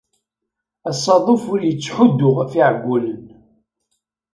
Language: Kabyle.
Asaḍuf ur yettḥuddu ɣef iɛeggunen.